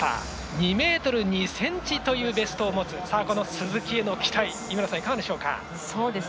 ２ｍ２ｃｍというベストを持つ鈴木への期待いかがでしょう。